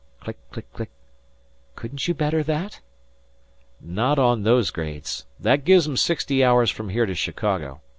Click click click! "Couldn't you better that?" "Not on those grades. That gives 'em sixty hours from here to Chicago.